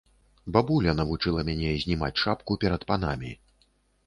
Бабуля навучыла мяне знімаць шапку перад панамі.